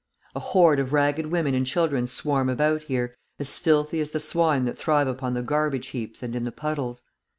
A horde of ragged women and children swarm about here, as filthy as the swine that thrive upon the garbage heaps and in the puddles.